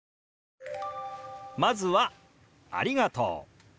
まずは「ありがとう」。